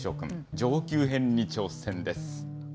上級編に挑戦です。